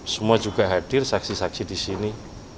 semua juga hadir saksi saksi di sini